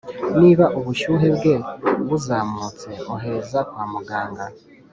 niba ubushyuhe bwe buzamutse, ohereza kwa muganga